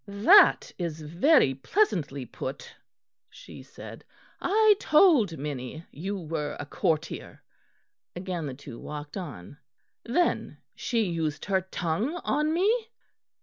"That is very pleasantly put," she said; "I told Minnie you were a courtier." Again the two walked on. "Then she used her tongue on me?"